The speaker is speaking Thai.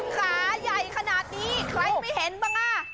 ขาใหญ่ขนาดนี้ใครไม่เห็นบ้างอ่ะ